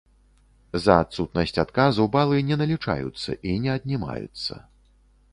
За адсутнасць адказу балы не налічаюцца і не аднімаюцца.